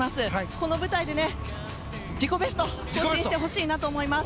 この舞台で自己ベスト更新してほしいと思います。